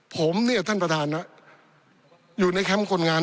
ผมเนี่ยท่านประธานอยู่ในแคมป์คนงาน